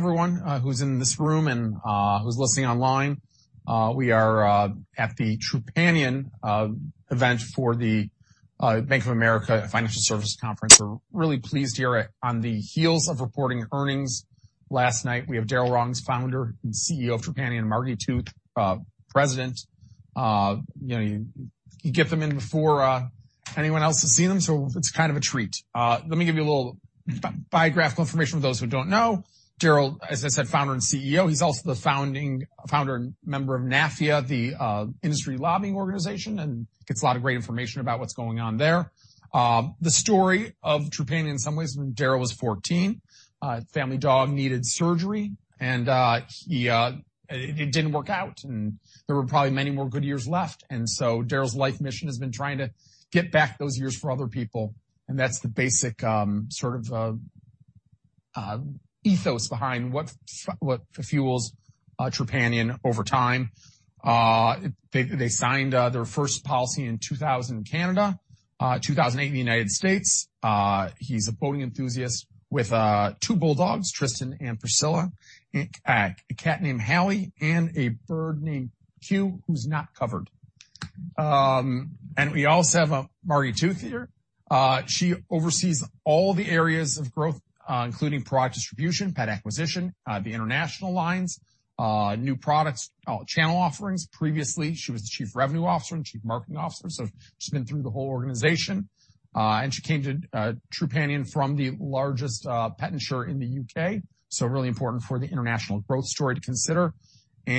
Everyone who's in this room and who's listening online, we are at the Trupanion event for the BofA Securities Financial Services Conference. We're really pleased to hear it on the heels of reporting earnings last night. We have Darryl Rawlings, Founder and CEO of Trupanion, and Margi Tooth, President. You know, you get them in before anyone else has seen them, so it's kind of a treat. Let me give you a little biographical information for those who don't know. Darryl, as I said, Founder and CEO. He's also the Founder and member of NAPHIA, the industry lobbying organization, and gets a lot of great information about what's going on there. The story of Trupanion in some ways, when Darryl was 14, family dog needed surgery and he, it didn't work out, and there were probably many more good years left. Darryl's life mission has been trying to get back those years for other people, and that's the basic sort of ethos behind what fuels Trupanion over time. They, they signed their first policy in 2000 in Canada, 2008 in the United States. He's a boating enthusiast with two bulldogs, Tristan and Priscilla, and a cat named Hallie, and a bird named Hugh, who's not covered. And we also have Margi Tooth here. She oversees all the areas of growth, including product distribution, pet acquisition, the international lines, new products, channel offerings. Previously, she was the chief revenue officer and chief marketing officer, so she's been through the whole organization. She came to Trupanion from the largest pet insurer in the U.K., so really important for the international growth story to consider. A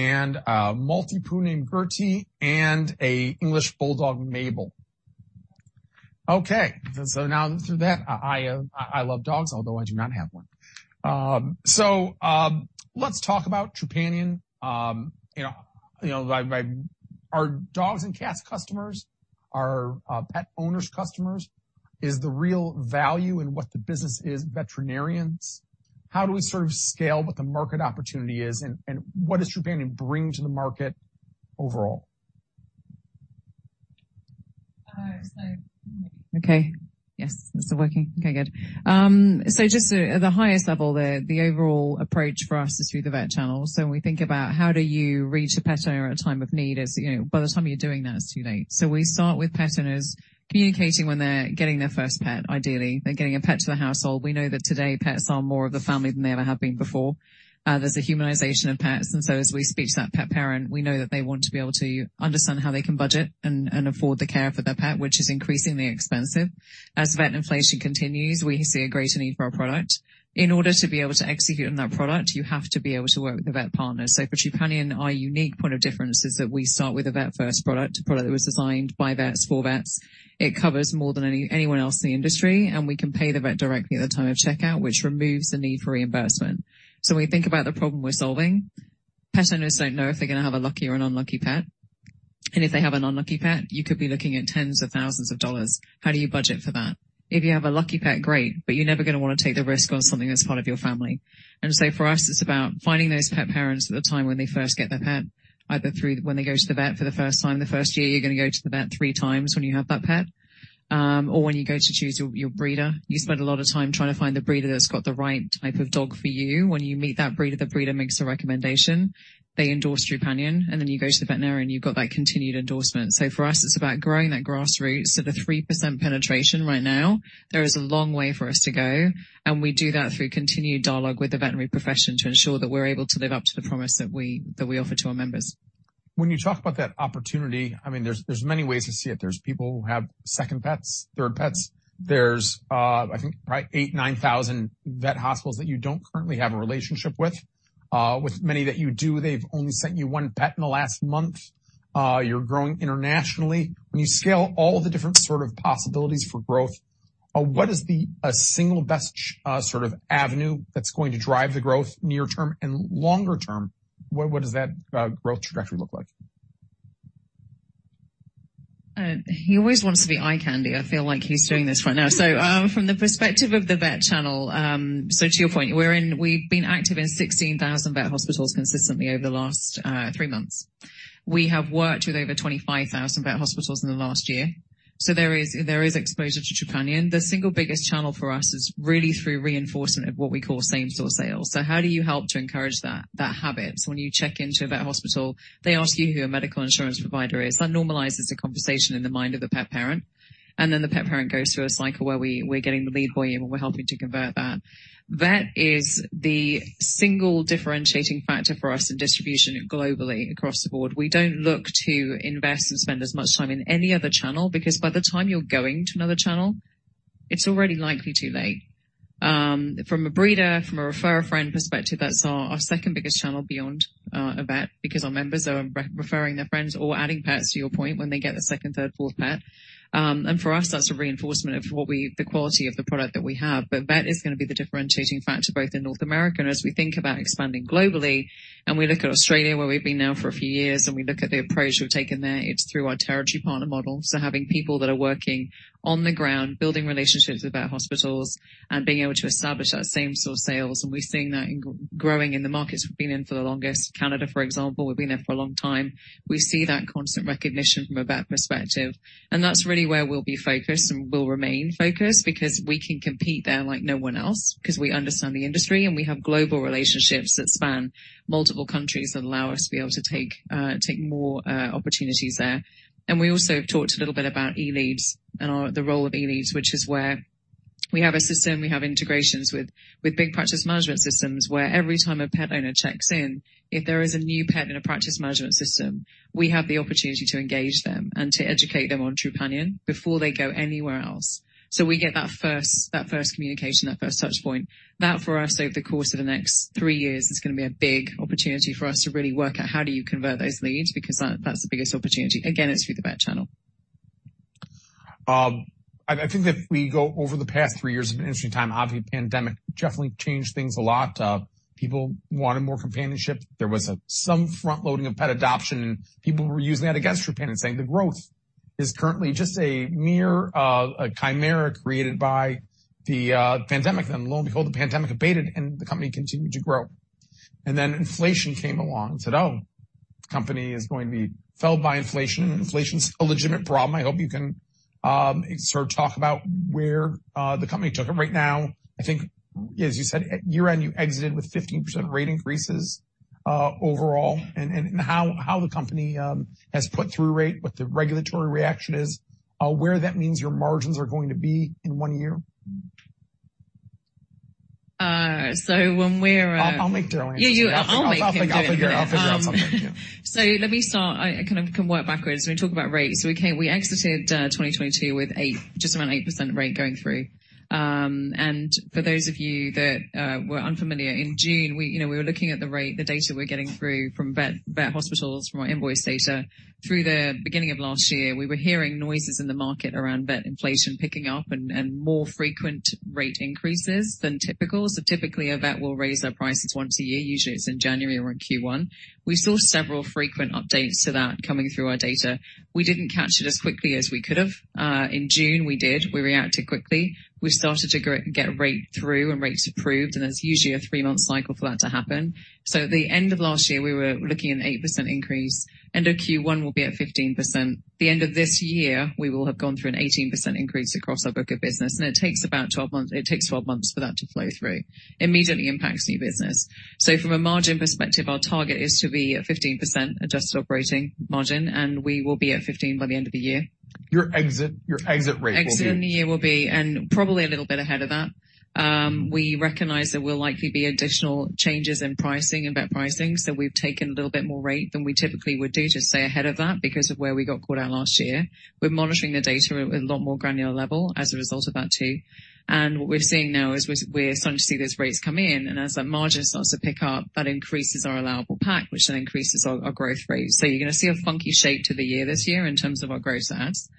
Maltipoo named Gertie and an English bulldog, Mabel. Okay, so now through that, I love dogs, although I do not have one. Let's talk about Trupanion. You know, are dogs and cats customers? Are pet owners customers? Is the real value in what the business is veterinarians? How do we sort of scale what the market opportunity is and what does Trupanion bring to the market overall? Okay. Yes. Is it working? Okay, good. Just at the highest level, the overall approach for us is through the vet channel. When we think about how do you reach a pet owner at a time of need is, you know, by the time you're doing that, it's too late. We start with pet owners communicating when they're getting their first pet, ideally. They're getting a pet to the household. We know that today pets are more of the family than they ever have been before. There's a humanization of pets, as we speak to that pet parent, we know that they want to be able to understand how they can budget and afford the care for their pet, which is increasingly expensive. As vet inflation continues, we see a greater need for our product. In order to be able to execute on that product, you have to be able to work with the vet partners. For Trupanion, our unique point of difference is that we start with a vet-first product, a product that was designed by vets for vets. It covers more than anyone else in the industry, and we can pay the vet directly at the time of checkout, which removes the need for reimbursement. When we think about the problem we're solving, pet owners don't know if they're gonna have a lucky or an unlucky pet. If they have an unlucky pet, you could be looking at tens of thousands of dollars. How do you budget for that? If you have a lucky pet, great, but you're never gonna wanna take the risk on something that's part of your family. For us, it's about finding those pet parents at the time when they first get their pet, either through when they go to the vet for the first time. The first year, you're gonna go to the vet three times when you have that pet. When you go to choose your breeder. You spend a lot of time trying to find the breeder that's got the right type of dog for you. When you meet that breeder, the breeder makes a recommendation. They endorse Trupanion. You go to the veterinarian, you've got that continued endorsement. For us, it's about growing that grassroots. The 3% penetration right now, there is a long way for us to go, and we do that through continued dialogue with the veterinary profession to ensure that we're able to live up to the promise that we offer to our members. When you talk about that opportunity, I mean, there's many ways to see it. There's people who have second pets, third pets. There's, I think, right, 8,000-9,000 vet hospitals that you don't currently have a relationship with. With many that you do, they've only sent you one pet in the last month. You're growing internationally. When you scale all the different sort of possibilities for growth, what is the single best sort of avenue that's going to drive the growth near term and longer term? What does that growth trajectory look like? He always wants to be eye candy. I feel like he's doing this right now. From the perspective of the vet channel, to your point, we've been active in 16,000 vet hospitals consistently over the last three months. We have worked with over 25,000 vet hospitals in the last year. There is exposure to Trupanion. The single biggest channel for us is really through reinforcement of what we call Same-Store Sales. How do you help to encourage that habit? When you check into a vet hospital, they ask you who a medical insurance provider is. That normalizes the conversation in the mind of the pet parent, and then the pet parent goes through a cycle where we're getting the lead volume, and we're helping to convert that. That is the single differentiating factor for us in distribution globally across the board. We don't look to invest and spend as much time in any other channel because by the time you're going to another channel, it's already likely too late. From a breeder, from a refer-a-friend perspective, that's our second biggest channel beyond a vet because our members are re-referring their friends or adding pets, to your point, when they get a second, third, fourth pet. And for us, that's a reinforcement of what the quality of the product that we have. Vet is gonna be the differentiating factor both in North America and as we think about expanding globally, and we look at Australia, where we've been now for a few years, and we look at the approach we've taken there, it's through our Territory Partner Model. Having people that are working on the ground, building relationships with vet hospitals and being able to establish our Same-Store Sales, and we're seeing that growing in the markets we've been in for the longest. Canada, for example, we've been there for a long time. We see that constant recognition from a vet perspective, and that's really where we'll be focused and will remain focused because we can compete there like no one else because we understand the industry and we have global relationships that span multiple countries that allow us to be able to take more opportunities there. We also talked a little bit about e-Leads and the role of e-Leads. We have a system, we have integrations with big Practice Management Systems where every time a pet owner checks in, if there is a new pet in a Practice Management System, we have the opportunity to engage them and to educate them on Trupanion before they go anywhere else. We get that first communication, that first touch point. That for us, over the course of the next three years is gonna be a big opportunity for us to really work out how do you convert those leads, because that's the biggest opportunity. Again, it's through the vet channel. I think if we go over the past three years of an interesting time, obviously pandemic definitely changed things a lot. People wanted more companionship. There was a some front loading of pet adoption, and people were using that against Trupanion and saying the growth is currently just a mere, a chimera created by the pandemic. Lo and behold, the pandemic abated and the company continued to grow. Inflation came along and said, "Oh, company is going to be felled by inflation." Inflation's a legitimate problem. I hope you can sort of talk about where the company took it. Right now, I think as you said, at year-end you exited with 15% rate increases, overall and how the company has put through rate, what the regulatory reaction is, where that means your margins are going to be in one year. So when we're at. I'll make Darryl answer that. Yeah, yeah, I'll make him do it. I'll figure out something. Yeah. Let me start. I kind of can work backwards when we talk about rates. We came, we exited 2022 with just around 8% rate going through. For those of you that were unfamiliar, in June, you know, we were looking at the rate, the data we're getting through from vet hospitals from our invoice data. Through the beginning of last year we were hearing noises in the market around vet inflation picking up and more frequent rate increases than typical. Typically a vet will raise their prices once a year. Usually it's in January or in Q1. We saw several frequent updates to that coming through our data. We didn't catch it as quickly as we could have. In June, we did. We reacted quickly. We started to get rate through and rates approved. There's usually a three-month cycle for that to happen. At the end of last year, we were looking at an 8% increase. End of Q1, we'll be at 15%. The end of this year, we will have gone through an 18% increase across our book of business, and it takes about 12 months. It takes 12 months for that to flow through. Immediately impacts new business. From a margin perspective, our target is to be at 15% adjusted operating margin, and we will be at 15% by the end of the year. Your exit rate will be. Exit in the year will be, probably a little bit ahead of that. We recognize there will likely be additional changes in pricing, in vet pricing, so we've taken a little bit more rate than we typically would do to stay ahead of that because of where we got caught out last year. We're monitoring the data at a lot more granular level as a result of that too. What we're seeing now is we're starting to see those rates come in, and as that margin starts to pick up, that increases our allowable PAC, which then increases our growth rate. You're gonna see a funky shape to the year this year in terms of our gross adds.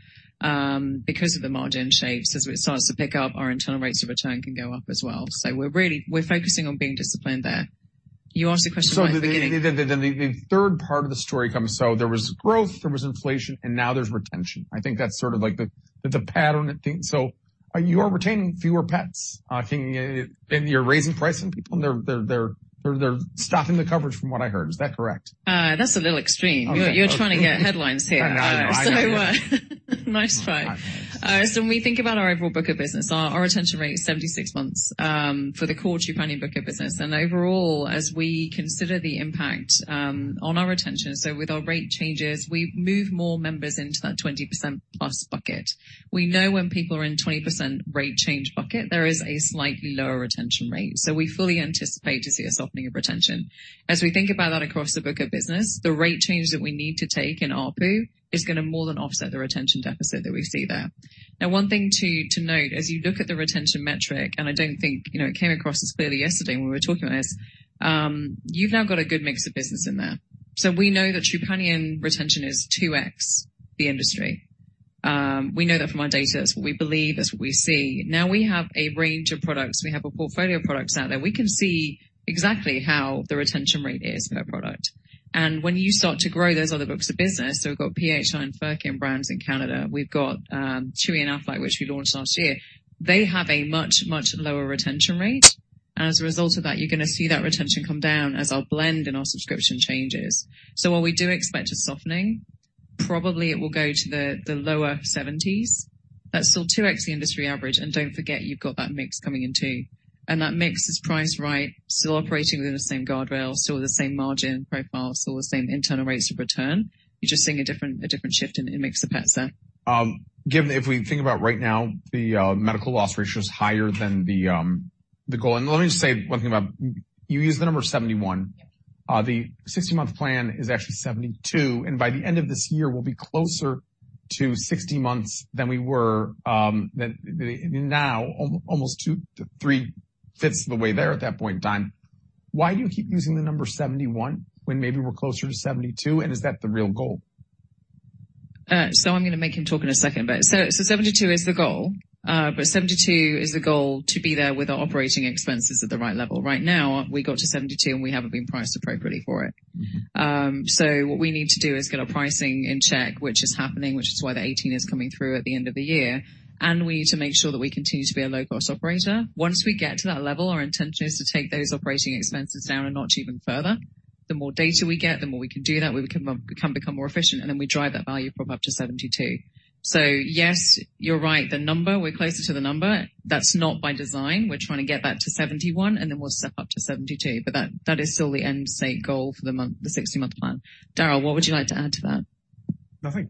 Because of the margin shapes, as it starts to pick up, our internal rates of return can go up as well. We're really, we're focusing on being disciplined there. You asked a question right at the beginning. The, then the third part of the story comes. There was growth, there was inflation, and now there's retention. I think that's sort of like the pattern it takes. Are you retaining fewer pets? And you're raising price on people and they're stopping the coverage from what I heard. Is that correct? That's a little extreme. Okay. You're trying to get headlines here. No, no. I get it. Nice try. All right. When we think about our overall book of business, our retention rate is 76 months for the core Trupanion book of business. Overall, as we consider the impact on our retention, with our rate changes, we move more members into that 20% plus bucket. We know when people are in 20% rate change bucket, there is a slightly lower retention rate. We fully anticipate to see a softening of retention. As we think about that across the book of business, the rate change that we need to take in ARPU is gonna more than offset the retention deficit that we see there. One thing to note, as you look at the retention metric, and I don't think, you know, it came across as clearly yesterday when we were talking about this, you've now got a good mix of business in there. We know that Trupanion retention is 2x the industry. We know that from our data. That's what we believe. That's what we see. We have a range of products. We have a portfolio of products out there. We can see exactly how the retention rate is per product. When you start to grow those other books of business, we've got PHI and Furkin brands in Canada. We've got Chewy and Aflac, which we launched last year. They have a much lower retention rate. As a result of that, you're gonna see that retention come down as our blend and our subscription changes. While we do expect a softening, probably it will go to the lower 70s. That's still 2x the industry average, and don't forget you've got that mix coming in too. That mix is priced right, still operating within the same guardrails, still the same margin profile, still the same internal rates of return. You're just seeing a different shift in mix of pets there. Given if we think about right now, the medical loss ratio is higher than the goal. Let me just say one thing about... You used the number 71. Yeah. The 60-month plan is actually 72. By the end of this year, we'll be closer to 60 months than we were, than now, almost two to three-fifths of the way there at that point in time. Why do you keep using the number 71 when maybe we're closer to 72, and is that the real goal? I'm gonna make him talk in a second, but so 72 is the goal. 72 is the goal to be there with our operating expenses at the right level. Right now, we got to 72, and we haven't been priced appropriately for it. What we need to do is get our pricing in check, which is happening, which is why the 18 is coming through at the end of the year, and we need to make sure that we continue to be a low-cost operator. Once we get to that level, our intention is to take those operating expenses down a notch even further. The more data we get, the more we can do that, we can become more efficient, and then we drive that value prop up to 72. Yes, you're right. The number, we're closer to the number. That's not by design. We're trying to get that to 71, and then we'll step up to 72. But that is still the end state goal for the month, the 60-month plan. Darryl, what would you like to add to that? Nothing.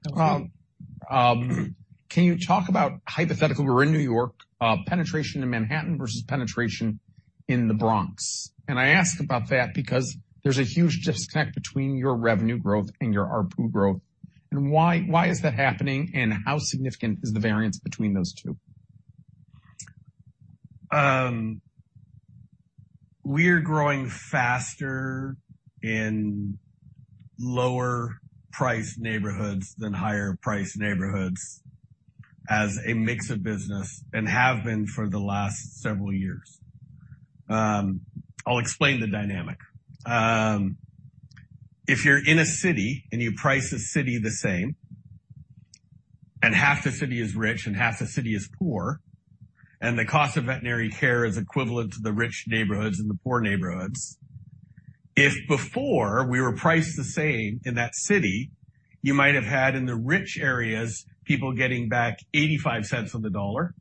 Can you talk about hypothetical, we're in New York, penetration in Manhattan versus penetration in the Bronx? I ask about that because there's a huge disconnect between your revenue growth and your ARPU growth. Why is that happening, and how significant is the variance between those two? We're growing faster in lower-priced neighborhoods than higher-priced neighborhoods as a mix of business and have been for the last several years. I'll explain the dynamic. If you're in a city and you price the city the same, and half the city is rich and half the city is poor, and the cost of veterinary care is equivalent to the rich neighborhoods and the poor neighborhoods. If before we were priced the same in that city, you might have had, in the rich areas, people getting back $0.85 on the dollar,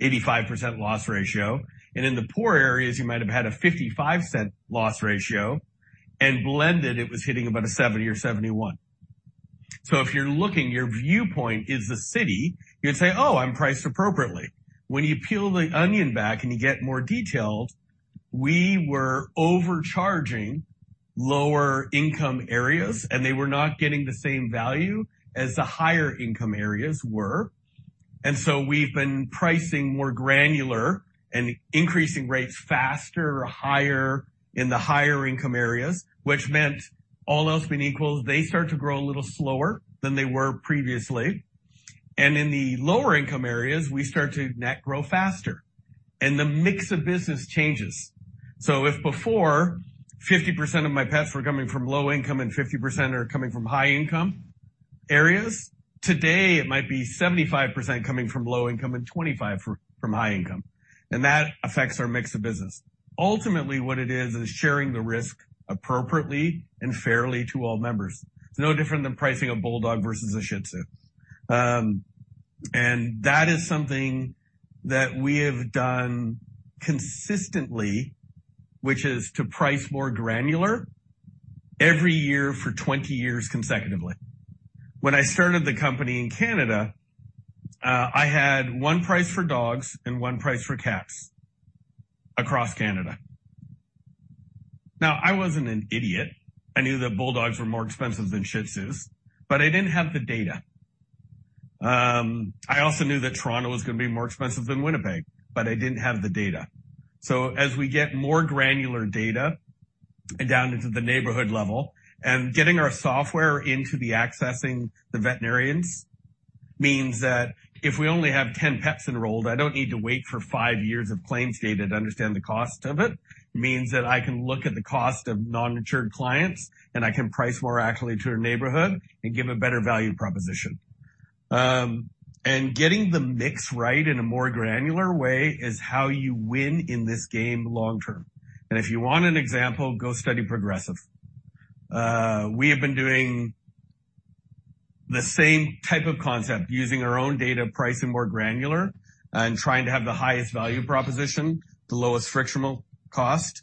85% loss ratio, and in the poor areas, you might have had a $0.55 loss ratio, and blended it was hitting about a 70% or 71%. If you're looking, your viewpoint is the city, you'd say, "Oh, I'm priced appropriately." When you peel the onion back and you get more detailed, we were overcharging lower-income areas, and they were not getting the same value as the higher-income areas were. We've been pricing more granular and increasing rates faster or higher in the higher-income areas, which meant all else being equal, they start to grow a little slower than they were previously. In the lower-income areas, we start to net grow faster. The mix of business changes. If before 50% of my pets were coming from low income and 50% are coming from high-income areas, today it might be 75% coming from low income and 25% from high income. That affects our mix of business. Ultimately, what it is sharing the risk appropriately and fairly to all members. It's no different than pricing a bulldog versus a Shih Tzu. That is something that we have done consistently, which is to price more granular every year for 20 years consecutively. When I started the company in Canada, I had one price for dogs and one price for cats across Canada. I wasn't an idiot. I knew that bulldogs were more expensive than Shih Tzus, but I didn't have the data. I also knew that Toronto was gonna be more expensive than Winnipeg, but I didn't have the data. As we get more granular data down into the neighborhood level and getting our software into the accessing the veterinarians means that if we only have 10 pets enrolled, I don't need to wait for five years of claims data to understand the cost of it. Means that I can look at the cost of non-insured clients, and I can price more accurately to a neighborhood and give a better value proposition. Getting the mix right in a more granular way is how you win in this game long term. If you want an example, go study Progressive. We have been doing the same type of concept using our own data, pricing more granular, and trying to have the highest value proposition, the lowest frictional cost,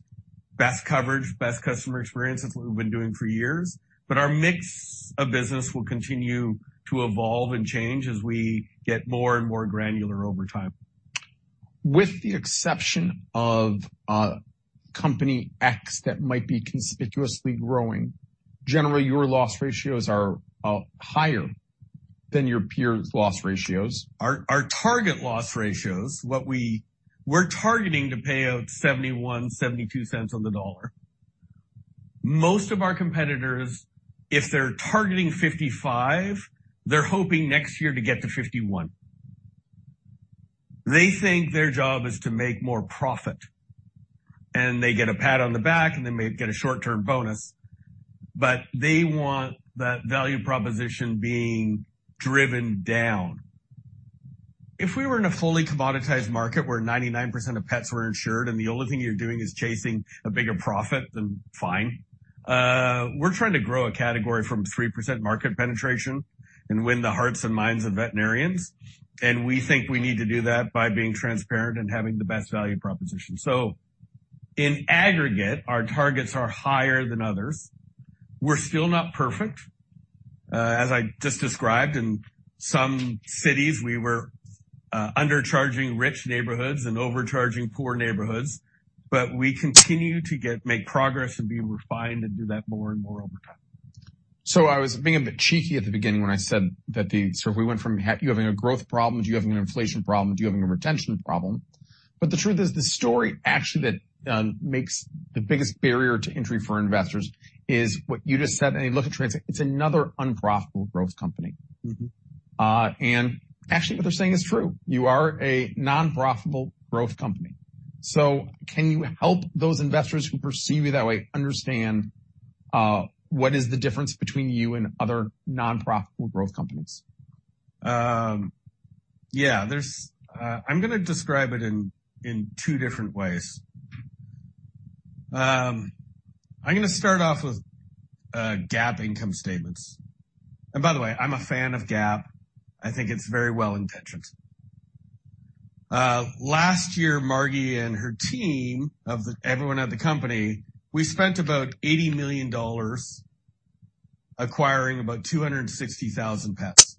best coverage, best customer experience. That's what we've been doing for years. Our mix of business will continue to evolve and change as we get more and more granular over time. With the exception of, company X that might be conspicuously growing, generally, your loss ratios are higher than your peers' loss ratios. Our target loss ratios, what we're targeting to pay out $0.71-$0.72 on the dollar. Most of our competitors, if they're targeting 55%, they're hoping next year to get to 51%. They think their job is to make more profit, and they get a pat on the back, and they may get a short-term bonus, but they want that value proposition being driven down. If we were in a fully commoditized market where 99% of pets were insured and the only thing you're doing is chasing a bigger profit, then fine. We're trying to grow a category from 3% market penetration and win the hearts and minds of veterinarians. We think we need to do that by being transparent and having the best value proposition. In aggregate, our targets are higher than others. We're still not perfect. As I just described, in some cities, we were undercharging rich neighborhoods and overcharging poor neighborhoods. We continue to make progress and be refined and do that more and more over time. I was being a bit cheeky at the beginning when I said that do you have a growth problem? Do you have an inflation problem? Do you have a retention problem? The truth is, the story actually that makes the biggest barrier to entry for investors is what you just said. You look at Trupanion, it's another unprofitable growth company. Actually, what they're saying is true. You are a non-profitable growth company. Can you help those investors who perceive you that way understand what is the difference between you and other non-profitable growth companies? Yeah. There's I'm gonna describe it in two different ways. I'm gonna start off with GAAP income statement. By the way, I'm a fan of GAAP. I think it's very well-intentioned. Last year, Margi and her team of everyone at the company, we spent about $80 million acquiring about 260,000 pets.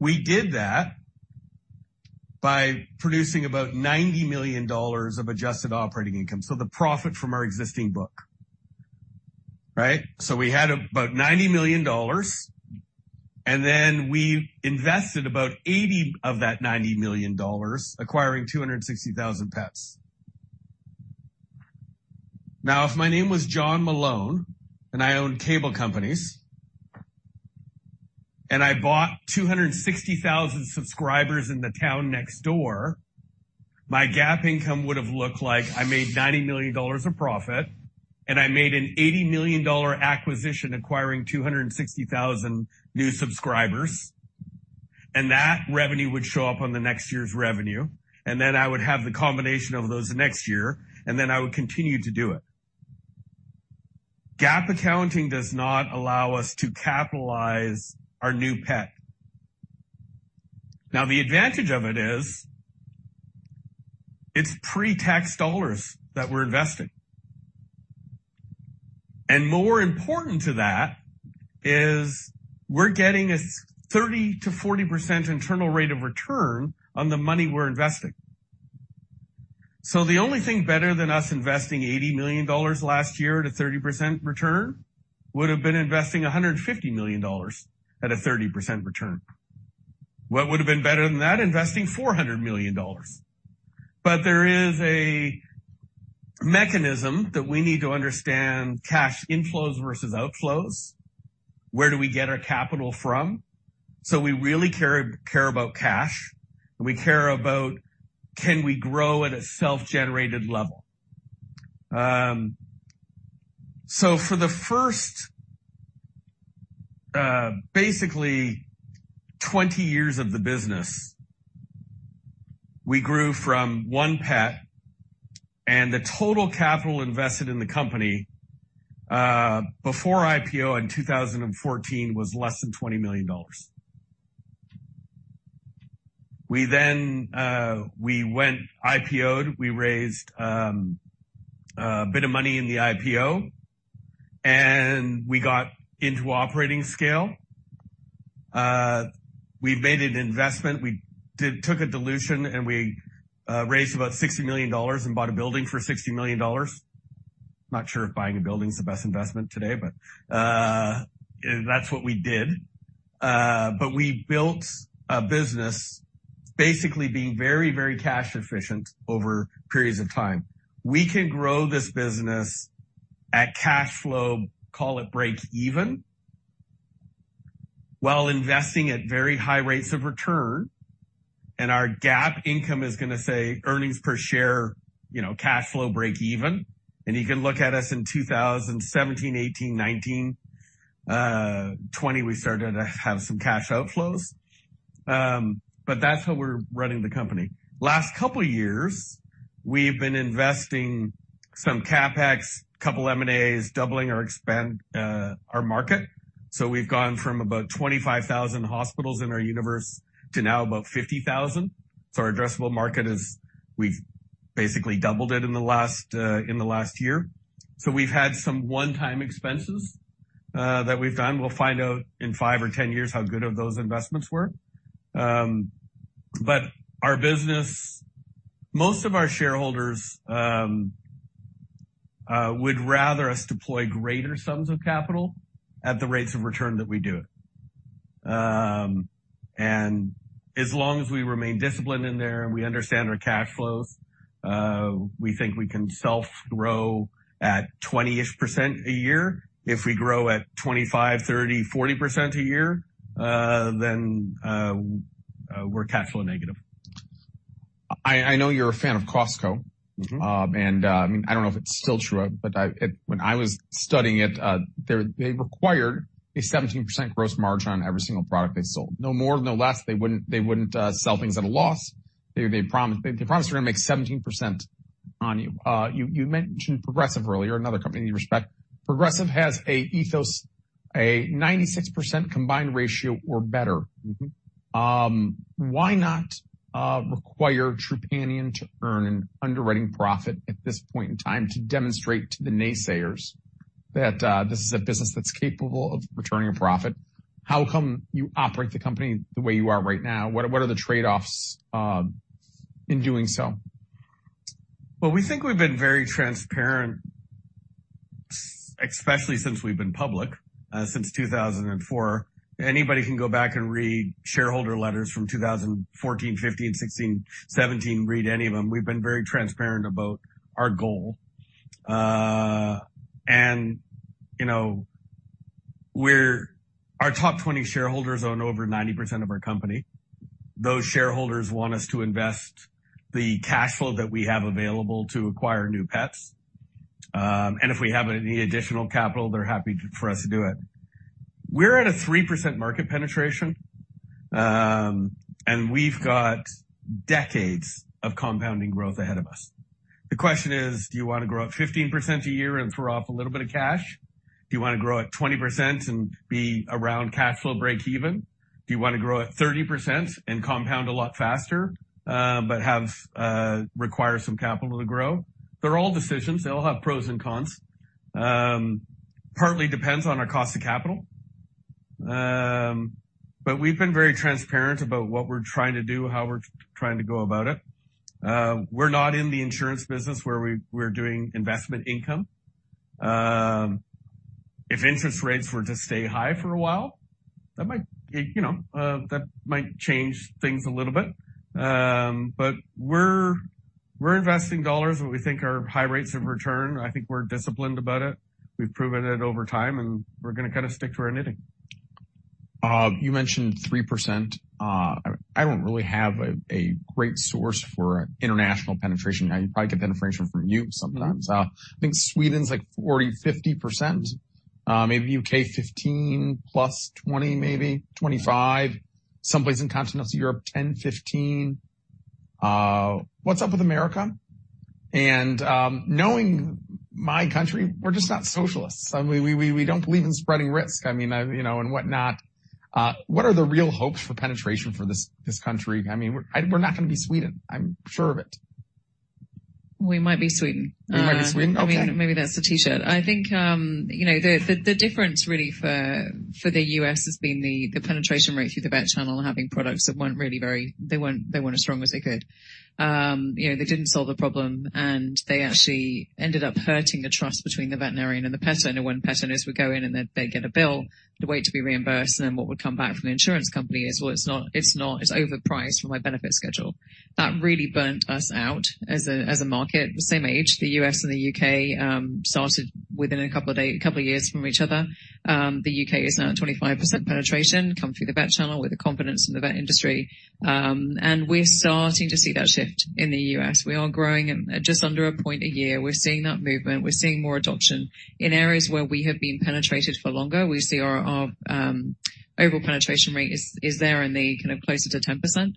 We did that by producing about $90 million of adjusted operating income, so the profit from our existing book. Right? We had about $90 million, and then we invested about $80 of that $90 million acquiring 260,000 pets. If my name was John Malone and I owned cable companies and I bought 260,000 subscribers in the town next door, my GAAP income would have looked like I made $90 million in profit and I made an $80 million acquisition acquiring 260,000 new subscribers. That revenue would show up on the next year's revenue. I would have the combination of those the next year, then I would continue to do it. GAAP accounting does not allow us to capitalize our new pet. The advantage of it is it's pre-tax dollars that we're investing. More important to that is we're getting a 30%-40% Internal Rate of Return on the money we're investing. The only thing better than us investing $80 million last year at a 30% return would have been investing $150 million at a 30% return. What would have been better than that? Investing $400 million. There is a mechanism that we need to understand cash inflows versus outflows. Where do we get our capital from? We really care about cash, and we care about can we grow at a self-generated level? For the first, basically 20 years of the business, we grew from one pet and the total capital invested in the company, before IPO in 2014 was less than $20 million. We then, we went IPO'd, we raised a bit of money in the IPO, and we got into operating scale. We made an investment. We took a dilution and we raised about $60 million and bought a building for $60 million. I'm not sure if buying a building is the best investment today, but that's what we did. We built a business basically being very, very cash efficient over periods of time. We can grow this business at cash flow, call it break even, while investing at very high rates of return. Our GAAP income is going to say Earnings Per Share, you know, cash flow breakeven. You can look at us in 2017, 2018, 2019. 20 we started to have some cash outflows. That's how we're running the company. Last couple of years we've been investing some CapEx, a couple M&A, doubling our market. We've gone from about 25,000 hospitals in our universe to now about 50,000. Our addressable market is we've basically doubled it in the last in the last year. We've had some one-time expenses that we've done. We'll find out in five or 10 years how good of those investments were. Our business, most of our shareholders, would rather us deploy greater sums of capital at the rates of return that we do it. As long as we remain disciplined in there and we understand our cash flows, we think we can self grow at 20%-ish a year. If we grow at 25%, 30%, 40% a year, then we're cash flow negative. I know you're a fan of Costco. And I don't know if it's still true, but when I was studying it, they required a 17% gross margin on every single product they sold. No more, no less. They wouldn't sell things at a loss. They promised they're gonna make 17% on you. You mentioned Progressive earlier, another company you respect. Progressive has an ethos, a 96% combined ratio or better. Why not require Trupanion to earn an underwriting profit at this point in time to demonstrate to the naysayers that this is a business that's capable of returning a profit? How come you operate the company the way you are right now? What are the trade-offs in doing so? Well, we think we've been very transparent, especially since we've been public, since 2004. Anybody can go back and read shareholder letters from 2014, 15, 16, 17. Read any of them. We've been very transparent about our goal. You know, our top 20 shareholders own over 90% of our company. Those shareholders want us to invest the cash flow that we have available to acquire new pets. If we have any additional capital, they're happy for us to do it. We're at a 3% market penetration, we've got decades of compounding growth ahead of us. The question is, do you want to grow at 15% a year and throw off a little bit of cash? Do you want to grow at 20% and be around cash flow breakeven? Do you want to grow at 30% and compound a lot faster, but require some capital to grow? They're all decisions. They all have pros and cons. Partly depends on our cost of capital. We've been very transparent about what we're trying to do, how we're trying to go about it. We're not in the insurance business where we're doing investment income. If interest rates were to stay high for a while, that might, you know, that might change things a little bit. We're investing dollars where we think are high rates of return. I think we're disciplined about it. We've proven it over time, and we're gonna stick to our knitting. You mentioned 3%. I don't really have a great source for international penetration. I probably get penetration from you sometimes. I think Sweden's like 40%, 50%. Maybe U.K. 15 plus 20, maybe 25. Someplace in Continental Europe, 10, 15. What's up with America? Knowing my country, we're just not socialists. We don't believe in spreading risk, I mean, you know, and whatnot. What are the real hopes for penetration for this country? I mean, we're not gonna be Sweden. I'm sure of it. We might be Sweden. We might be Sweden? Okay. Maybe that's the T-shirt. I think, you know, the, the difference really for the U.S. has been the penetration rate through the vet channel, having products that weren't really. They weren't as strong as they could. You know, they didn't solve the problem, and they actually ended up hurting the trust between the veterinarian and the pet owner, when pet owners would go in and they'd get a bill, they wait to be reimbursed, and then what would come back from the insurance company is, "Well, it's not, it's overpriced for my benefit schedule." That really burnt us out as a market. The same age, the U.S. and the U.K., started within a couple of years from each other. The U.K. is now at 25% penetration, come through the vet channel with the confidence in the vet industry. We're starting to see that shift in the U.S. We are growing at just under a point a year. We're seeing that movement. We're seeing more adoption. In areas where we have been penetrated for longer, we see our overall penetration rate is there in the kind of closer to 10%.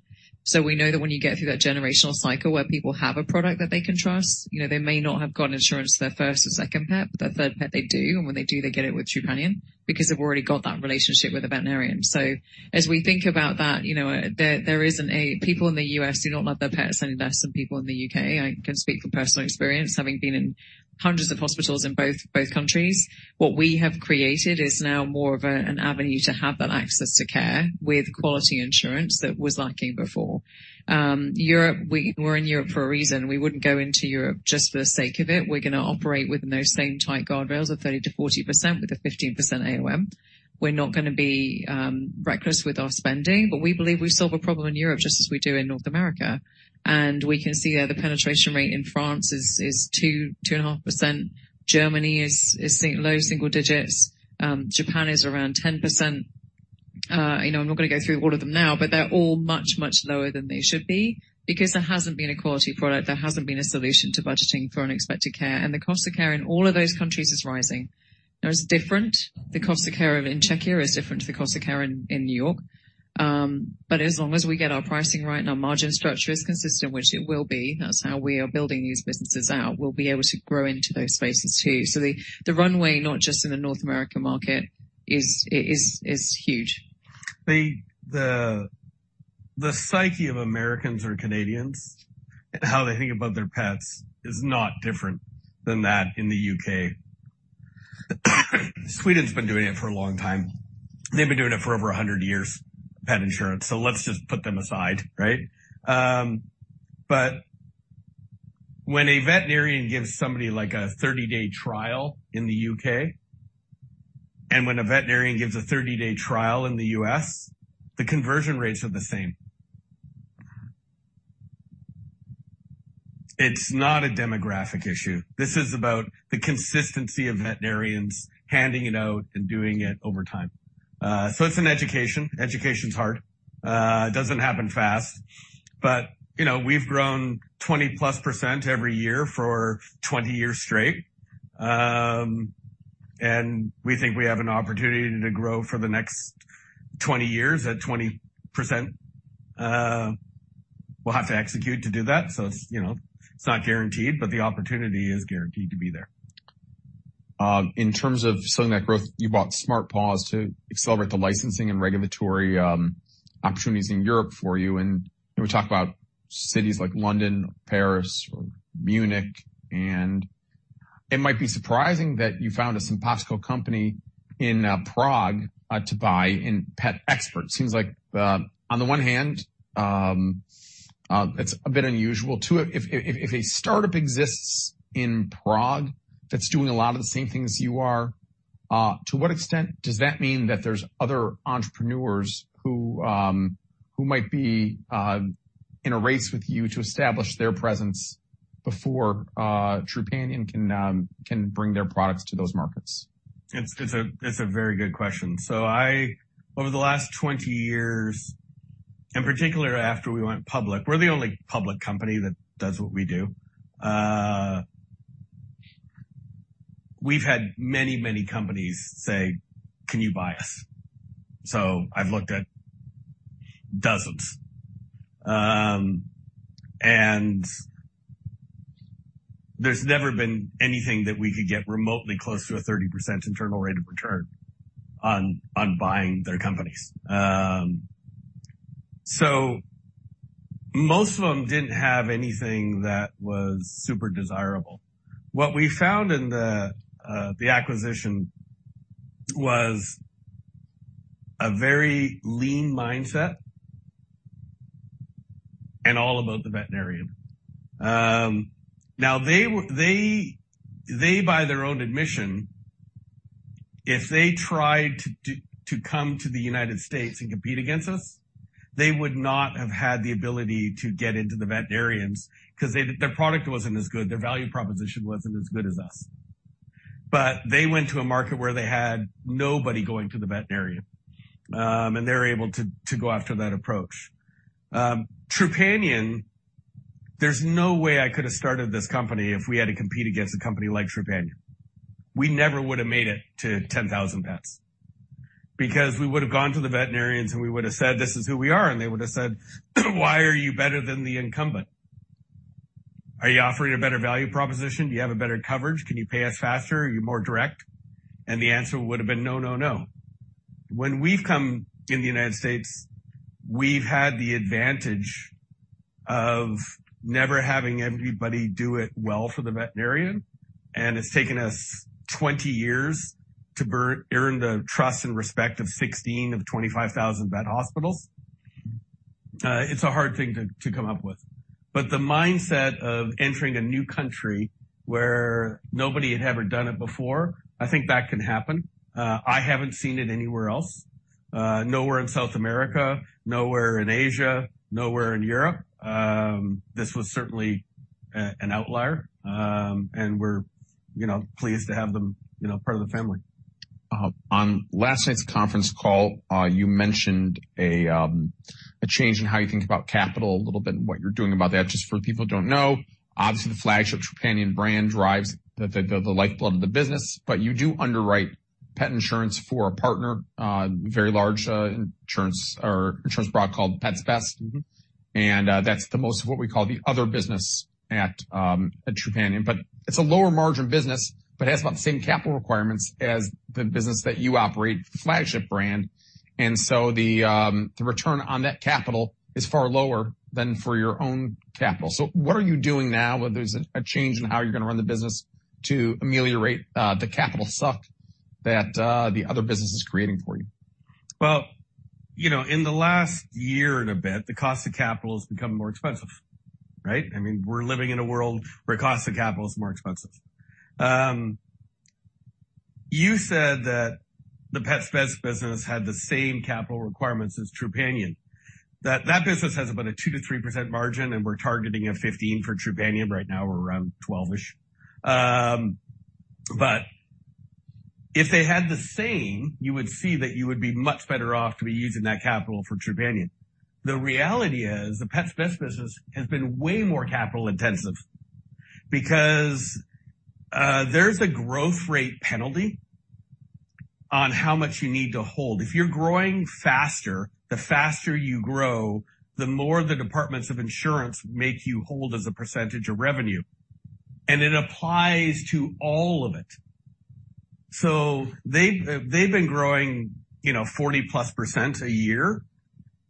We know that when you get through that generational cycle where people have a product that they can trust, you know, they may not have gotten insurance for their first or second pet, but their third pet, they do. When they do, they get it with Trupanion because they've already got that relationship with the veterinarian. As we think about that, you know, there isn't a people in the U.S. do not love their pets any less than people in the U.K. I can speak from personal experience, having been in hundreds of hospitals in both countries. What we have created is now more of an avenue to have that access to care with quality insurance that was lacking before. Europe, we're in Europe for a reason. We wouldn't go into Europe just for the sake of it. We're gonna operate within those same tight guardrails of 30%-40% with a 15% AOM. We're not gonna be reckless with our spending, but we believe we solve a problem in Europe just as we do in North America. We can see the penetration rate in France is 2.5%. Germany is low single digits. Japan is around 10%. You know, I'm not gonna go through all of them now, but they're all much, much lower than they should be because there hasn't been a quality product, there hasn't been a solution to budgeting for unexpected care. The cost of care in all of those countries is rising. It's different. The cost of care in Czech is different to the cost of care in New York. As long as we get our pricing right and our margin structure is consistent, which it will be, that's how we are building these businesses out, we'll be able to grow into those spaces too. The, the runway, not just in the North American market, is huge. The psyche of Americans or Canadians and how they think about their pets is not different than that in the U.K.. Sweden's been doing it for a long time. They've been doing it for over 100 years, pet insurance, so let's just put them aside, right? When a veterinarian gives somebody like a 30-day trial in the U.K., and when a veterinarian gives a 30-day trial in the U.S., the conversion rates are the same. It's not a demographic issue. This is about the consistency of veterinarians handing it out and doing it over time. It's an education. Education's hard. It doesn't happen fast. You know, we've grown 20-+% every year for 20 years straight. We think we have an opportunity to grow for the next 20 years at 20%. We'll have to execute to do that. It's, you know, it's not guaranteed, but the opportunity is guaranteed to be there. In terms of selling that growth, you bought Smart Paws to accelerate the licensing and regulatory opportunities in Europe for you. We talk about cities like London, Paris, or Munich. It might be surprising that you found a simpatico company in Prague to buy in PetExpert. Seems like, on the one hand, it's a bit unusual. Two, if a startup exists in Prague that's doing a lot of the same things you are, to what extent does that mean that there's other entrepreneurs who might be in a race with you to establish their presence before Trupanion can bring their products to those markets? It's a very good question. Over the last 20 years, in particular after we went public, we're the only public company that does what we do. We've had many, many companies say, "Can you buy us?" I've looked at dozens. There's never been anything that we could get remotely close to a 30% Internal Rate of Return on buying their companies. Most of them didn't have anything that was super desirable. What we found in the acquisition was a very lean mindset and all about the veterinarian. Now they by their own admission, if they tried to come to the United States and compete against us, they would not have had the ability to get into the veterinarians because their product wasn't as good, their value proposition wasn't as good as us. They went to a market where they had nobody going to the veterinarian, and they're able to go after that approach. Trupanion, there's no way I could have started this company if we had to compete against a company like Trupanion. We never would have made it to 10,000 pets because we would have gone to the veterinarians, and we would have said, "This is who we are." They would have said, "Why are you better than the incumbent? Are you offering a better value proposition? Do you have a better coverage? Can you pay us faster? Are you more direct?" The answer would have been, "No, no." When we've come in the United States, we've had the advantage of never having everybody do it well for the veterinarian, and it's taken us 20 years to earn the trust and respect of 16 of the 25,000 vet hospitals. It's a hard thing to come up with. The mindset of entering a new country where nobody had ever done it before, I think that can happen. I haven't seen it anywhere else, nowhere in South America, nowhere in Asia, nowhere in Europe. This was certainly an outlier, and we're, you know, pleased to have them, you know, part of the family. On last night's conference call, you mentioned a change in how you think about capital a little bit and what you're doing about that. Just for people who don't know, obviously, the flagship Trupanion brand drives the lifeblood of the business. But you do underwrite pet insurance for a partner, very large, insurance or insurance product called Pets Best. That's the most of what we call the other business at Trupanion. It's a lower margin business, but it has about the same capital requirements as the business that you operate, the flagship brand. The return on that capital is far lower than for your own capital. What are you doing now, whether there's a change in how you're gonna run the business to ameliorate the capital suck that the other business is creating for you? Well, you know, in the last year and a bit, the cost of capital has become more expensive, right? I mean, we're living in a world where cost of capital is more expensive. You said that the Pets Best business had the same capital requirements as Trupanion. That business has about a 2%-3% margin, and we're targeting a 15 for Trupanion. Right now we're around 12-ish. If they had the same, you would see that you would be much better off to be using that capital for Trupanion. The reality is the Pets Best business has been way more capital intensive because there's a growth rate penalty on how much you need to hold. If you're growing faster, the faster you grow, the more the Departments of Insurance make you hold as a percentage of revenue. It applies to all of it. They've been growing, you know, 40+% a year,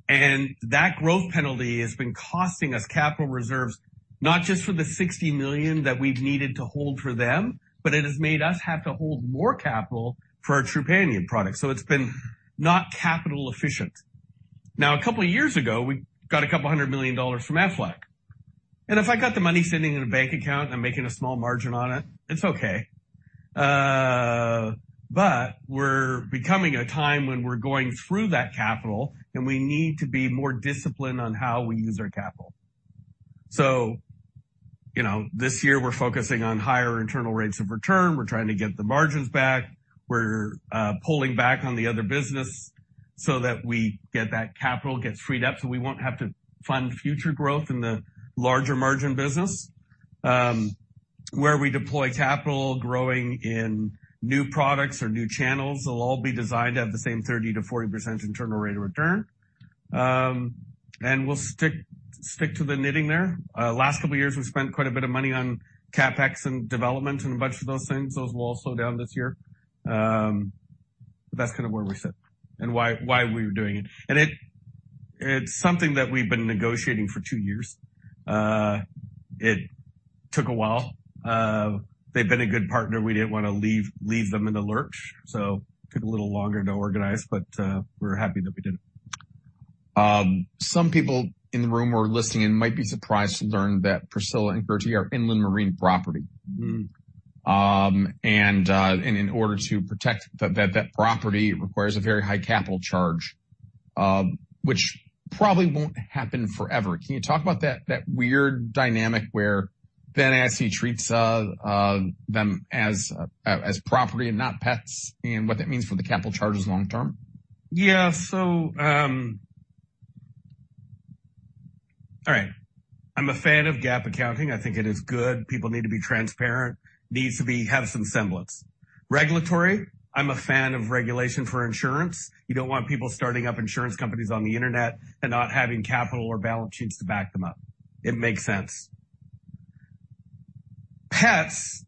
and that growth penalty has been costing us capital reserves, not just for the $60 million that we've needed to hold for them, but it has made us have to hold more capital for our Trupanion product. It's been not capital efficient. Now, a couple of years ago, we got $200 million from Aflac. If I got the money sitting in a bank account and I'm making a small margin on it's okay. We're becoming a time when we're going through that capital, and we need to be more disciplined on how we use our capital. You know, this year we're focusing on higher internal rates of return. We're trying to get the margins back. We're pulling back on the other business so that we get that capital, gets freed up, so we won't have to fund future growth in the larger margin business. Where we deploy capital growing in new products or new channels, they'll all be designed to have the same 30% to 40% Internal Rate of Return. We'll stick to the knitting there. Last couple of years, we've spent quite a bit of money on CapEx and development and a bunch of those things. Those will all slow down this year. That's kind of where we sit and why we're doing it. It's something that we've been negotiating for two years. It took a while. They've been a good partner. We didn't wanna leave them in the lurch, so took a little longer to organize, but we're happy that we did it. Some people in the room who are listening might be surprised to learn that Priscilla and Gertie are Inland Marine Property. In order to protect that property, it requires a very high capital charge, which probably won't happen forever. Can you talk about that weird dynamic where NAIC treats them as property and not pets and what that means for the capital charges long term? All right. I'm a fan of GAAP accounting. I think it is good. People need to be transparent, needs to have some semblance. Regulatory, I'm a fan of regulation for insurance. You don't want people starting up insurance companies on the internet and not having capital or balance sheets to back them up. It makes sense. Pets,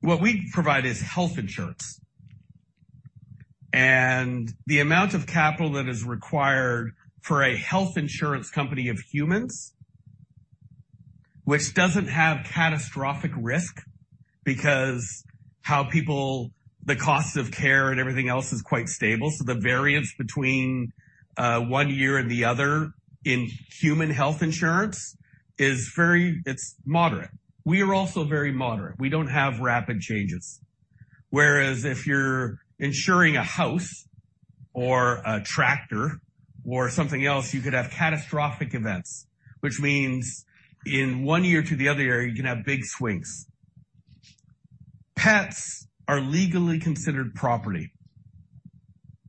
what we provide is health insurance. The amount of capital that is required for a health insurance company of humans, which doesn't have catastrophic risk because the cost of care and everything else is quite stable. The variance between one year and the other in human health insurance is very moderate. We are also very moderate. We don't have rapid changes. Whereas if you're insuring a house or a tractor or something else, you could have catastrophic events, which means in one year to the other year, you can have big swings. Pets are legally considered property.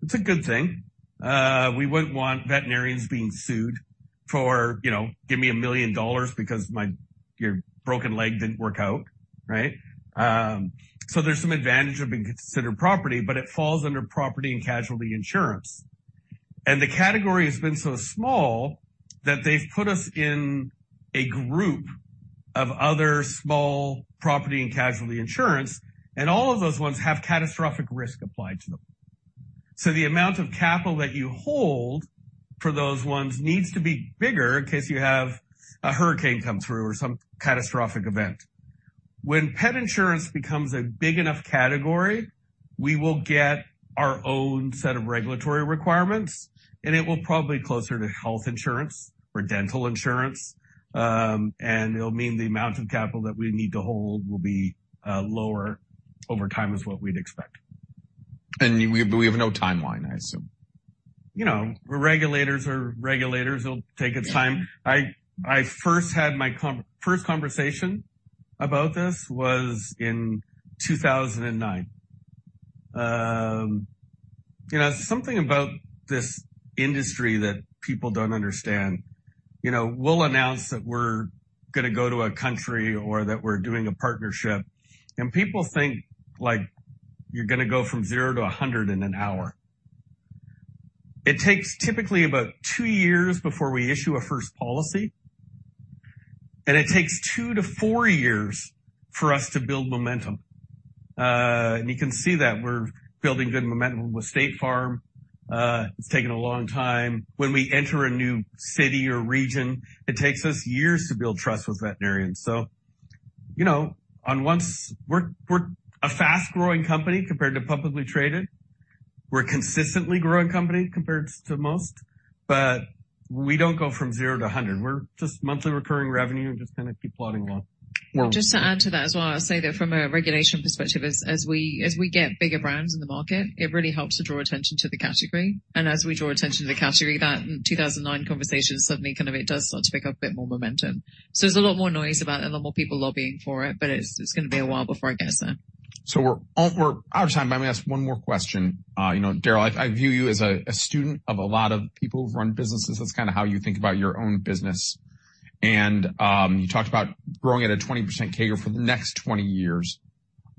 It's a good thing. We wouldn't want veterinarians being sued for, you know, give me $1 million because your broken leg didn't work out, right? There's some advantage of being considered property, but it falls under Property & Casualty insurance. The category has been so small that they've put us in a group of other small Property & Casualty insurance, and all of those ones have catastrophic risk applied to them. The amount of capital that you hold for those ones needs to be bigger in case you have a hurricane come through or some catastrophic event. When pet insurance becomes a big enough category, we will get our own set of regulatory requirements, and it will probably be closer to health insurance or dental insurance. It'll mean the amount of capital that we need to hold will be lower over time is what we'd expect. We have no timeline, I assume. You know, regulators are regulators. It'll take its time. I first had my first conversation about this was in 2009. You know, something about this industry that people don't understand, you know, we'll announce that we're gonna go to a country or that we're doing a partnership, and people think, like, you're gonna go from 0 to 100 in an hour. It takes typically about two years before we issue a first policy, and it takes two-four years for us to build momentum. You can see that we're building good momentum with State Farm. It's taken a long time. When we enter a new city or region, it takes us years to build trust with veterinarians. You know, We're a fast-growing company compared to publicly traded. We're a consistently growing company compared to most. We don't go from 0 to 100. We're just monthly recurring revenue and just kind of keep plodding along. Well. Just to add to that as well, I'd say that from a regulation perspective, as we get bigger brands in the market, it really helps to draw attention to the category. As we draw attention to the category, that 2009 conversation suddenly kind of it does start to pick up a bit more momentum. There's a lot more noise about it and a lot more people lobbying for it, but it's gonna be a while before it gets there. We're out of time, but I'm gonna ask one more question. You know, Darryl, I view you as a student of a lot of people who run businesses. That's kinda how you think about your own business. You talked about growing at a 20% CAGR for the next 20 years.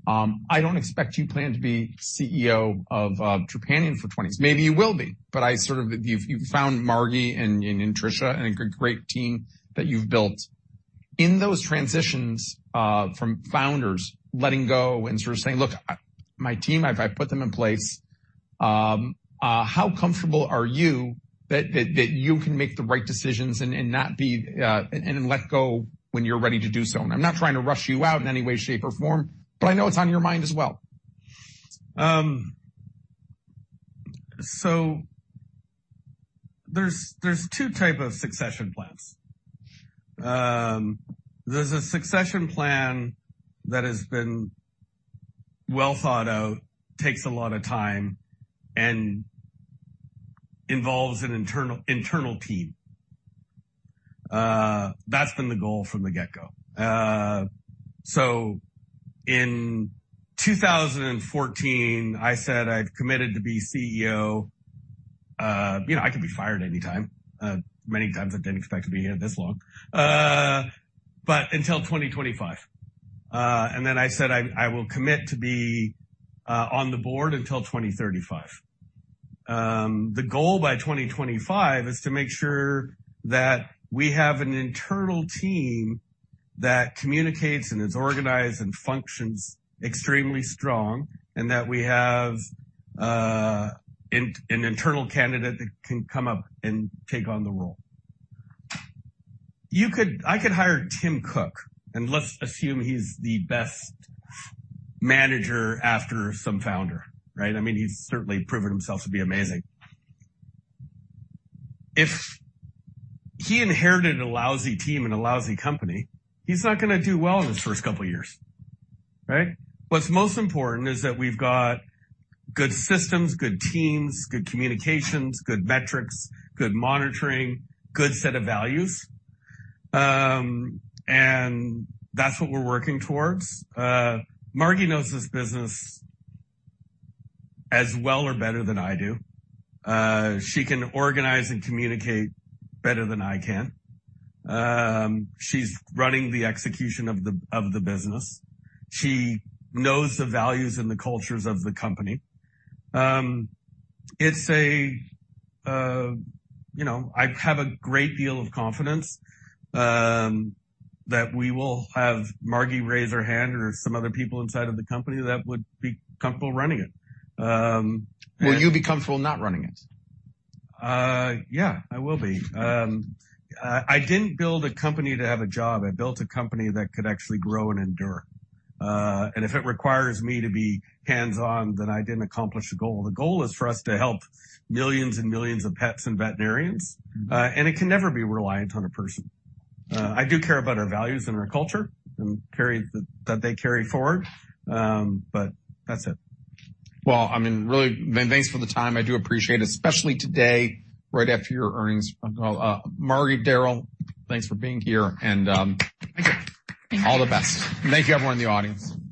I don't expect you plan to be CEO of Trupanion for 20. Maybe you will be, but I sort of. You've found Margi and Tricia and a great team that you've built. In those transitions, from founders letting go and sort of saying, "Look, my team, I've put them in place," how comfortable are you that you can make the right decisions and not be and let go when you're ready to do so? I'm not trying to rush you out in any way, shape, or form, but I know it's on your mind as well. There's two type of succession plans. There's a succession plan that has been well thought out, takes a lot of time, and involves an internal team. That's been the goal from the get-go. In 2014, I said I'd committed to be CEO, you know, I could be fired anytime, many times. I didn't expect to be here this long, but until 2025. Then I said I will commit to be on the board until 2035. The goal by 2025 is to make sure that we have an internal team that communicates and is organized and functions extremely strong and that we have an internal candidate that can come up and take on the role. I could hire Tim Cook, and let's assume he's the best manager after some founder, right? I mean, he's certainly proven himself to be amazing. If he inherited a lousy team and a lousy company, he's not gonna do well in his first couple years, right? What's most important is that we've got good systems, good teams, good communications, good metrics, good monitoring, good set of values. That's what we're working towards. Margi knows this business as well or better than I do. She can organize and communicate better than I can. She's running the execution of the, of the business. She knows the values and the cultures of the company. It's a, you know, I have a great deal of confidence that we will have Margi raise her hand or some other people inside of the company that would be comfortable running it. Will you be comfortable not running it? Yeah, I will be. I didn't build a company to have a job. I built a company that could actually grow and endure. If it requires me to be hands-on, then I didn't accomplish the goal. The goal is for us to help millions and millions of pets and veterinarians, and it can never be reliant on a person. I do care about our values and our culture and that they carry forward, but that's it. Well, I mean, really, man, thanks for the time. I do appreciate it, especially today, right after your earnings call. Margi, Darryl, thanks for being here. Thank you. Thank you. All the best. Thank you, everyone in the audience.